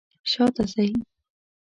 شاته ځئ